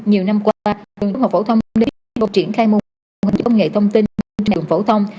nhiều năm qua trường trung học phổ thông đã bắt đầu triển khai mô hình công nghệ thông tin trong trường phổ thông